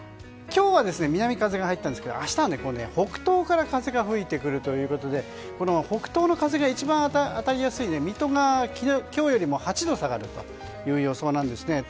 今日は南風が入ったんですが明日は北東から風が吹いてくるということで北東の風が一番当たりやすい水戸が今日よりも８度下がるという予想なんですね。